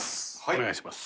お願いします。